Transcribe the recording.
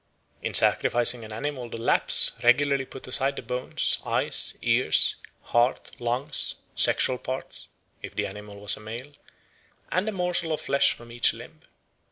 In sacrificing an animal the Lapps regularly put aside the bones, eyes, ears, heart, lungs, sexual parts (if the animal was a male), and a morsel of flesh from each limb.